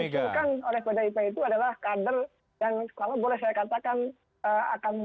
yang akan dimusuhkan oleh pdip itu adalah kader yang kalau boleh saya katakan akan mendukung mbak puan itu